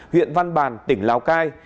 huyện văn bàn tỉnh lào cai